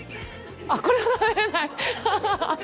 あっこれは食べれない⁉アハハ！